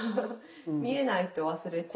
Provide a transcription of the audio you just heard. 見えないと忘れちゃう。